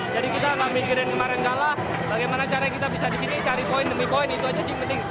jadi kita memikirkan kemarin kalah bagaimana cara kita bisa disini cari poin demi poin itu aja sih penting